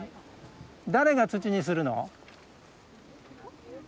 誰が土にするの？